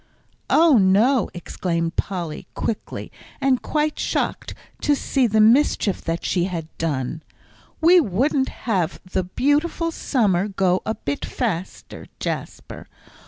"Oh, no," exclaimed Polly, quickly, and quite shocked to see the mischief that she had done. "We wouldn't have the beautiful summer go a bit faster, Jasper.